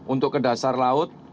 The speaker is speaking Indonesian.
untuk ke dasar laut